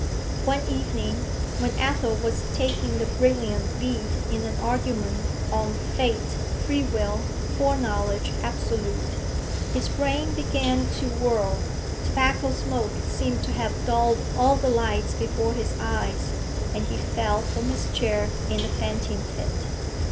One evening, when Athel was taking the brilliant lead in an argument on 'Fate, free will, foreknowledge absolute,' his brain began to whirl, tobacco smoke seemed to have dulled all the lights before his eyes, and he fell from his chair in a fainting fit.